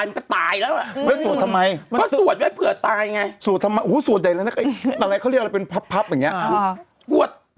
คุณแม่บ้านเอาจริง